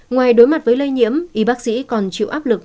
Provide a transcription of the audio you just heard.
ngoài đối mặt với lây nhiễm y bác sĩ còn chịu áp lực